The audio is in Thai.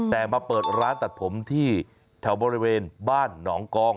แต่มาเปิดร้านตัดผมที่แถวบริเวณบ้านหนองกอง